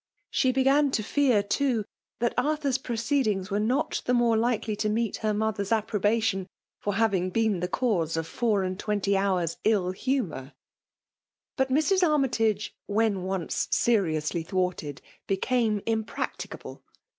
She began to fear, too, that Arthur^s proceedings were not the FBHALE DOMINATION. 13 more likely to meet her mother s approbation for having been the cause of four and twenty hoars' ill humoiiT. .; But Mrs. Armytage> i^hen once seriously thwarted, became impracticable